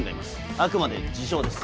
あくまで自称です。